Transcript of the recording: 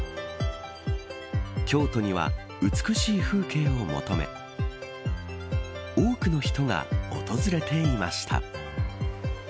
京都には、美しい風景を求め多くの人が訪れていました。